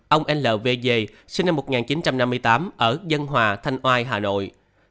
năm ông l v g sinh năm một nghìn chín trăm năm mươi tám ở dân hòa thanh oai hà nội